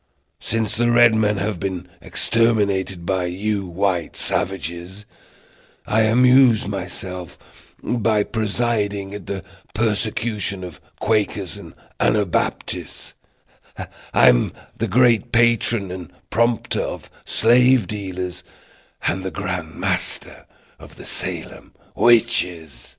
Since the red men have been exterminated by you white savages, I amuse myself by presiding at the persecutions of Quakers and Anabaptists; I am the great patron and prompter of slave dealers and the grand master of the Salem witches."